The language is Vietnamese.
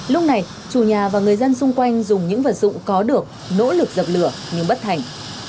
lúc này chủ nhà và người dân xung quanh dùng những vật dụng có được nỗ lực dập lửa nhưng bất thành